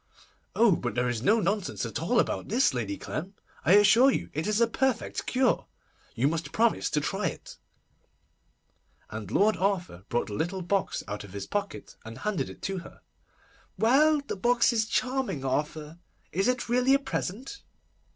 'Oh, but there is no nonsense at all about this, Lady Clem! I assure you it is a perfect cure. You must promise to try it'; and Lord Arthur brought the little box out of his pocket, and handed it to her. 'Well, the box is charming, Arthur. Is it really a present?